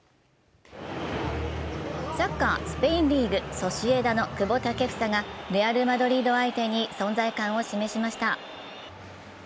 サッカー、スペインリーグソシエダの久保建英がレアル・マドリード相手に存在感を示しました。